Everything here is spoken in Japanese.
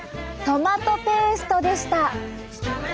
トマトペーストでした！